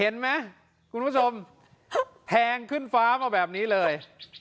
เห็นไหมคุณผู้ชมแทงขึ้นฟ้ามาแบบนี้เลย